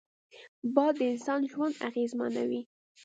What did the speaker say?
باد د انسان ژوند اغېزمنوي